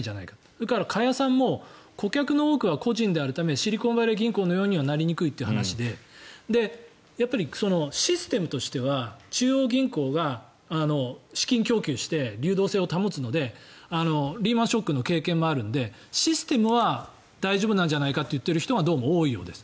それから加谷さんも顧客の多くは個人であるためシリコンバレー銀行のようにはなりにくいという話でやっぱりシステムとしては中央銀行が資金供給して流動性を保つのでリーマン・ショックの経験もあるのでシステムは大丈夫なんじゃないかと言っている人がどうも多いようです。